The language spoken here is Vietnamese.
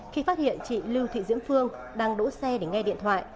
khi phát hiện chị lưu thị diễm phương đang đỗ xe để nghe điện thoại